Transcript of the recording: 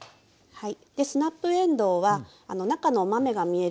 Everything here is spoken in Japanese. はい。